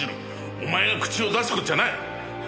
お前が口を出す事じゃない！